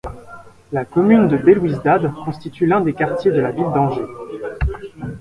La commune de Belouizdad constitue l'un des quartiers de la ville d'Alger.